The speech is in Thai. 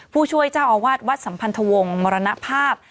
ผู้ช่วยเจ้าอาวาสวัดสัมพันธวงศ์มรณภาพ